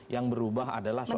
yang berubah adalah soal